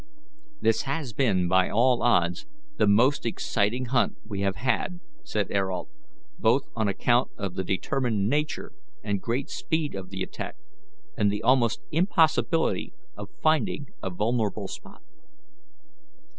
"This has been by all odds the most exciting hunt we have had," said Ayrault, "both on account of the determined nature and great speed of the attack, and the almost impossibility of finding a vulnerable spot."